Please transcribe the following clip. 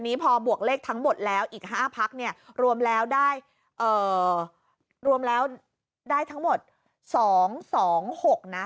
อันนี้พอบวกเลขทั้งหมดแล้วอีก๕พักรวมแล้วได้ทั้งหมด๒๒๖นะ